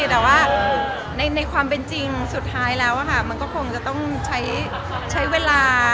แต่ว่าในความเป็นจริงสุดท้ายแล้วมันก็คงจะต้องใช้เวลา